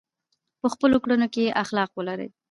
په خپلو کړنو کې اخلاص ولرئ.